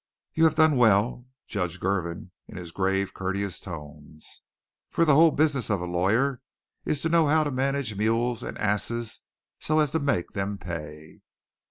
"You have done well," Judge Girvin in his grave, courteous tones. "For the whole business of a lawyer is to know how to manage mules and asses so as to make them pay!"